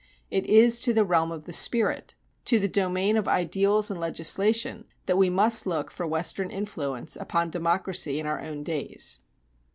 It is to the realm of the spirit, to the domain of ideals and legislation, that we must look for Western influence upon democracy in our own days.